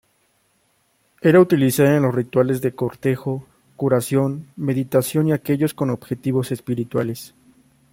Era utilizada en los rituales de cortejo, curación, meditación y aquellos con objetivos espirituales.